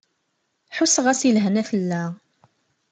Ḥusseɣ-as i lehwa tella.